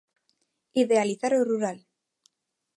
Idealizar o rural.